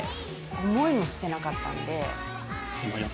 思いもしてなかったんで。